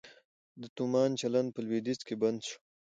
د تومان چلند په لویدیځ کې بند شو؟